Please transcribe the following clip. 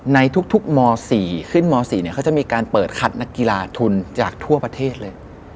ในทุกม๔ขึ้นม๔เขาจะมีการเปิดคัดนักกีฬาทุนจากทั่วประเทศเลย